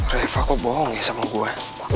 rev aku bohong ya sama gua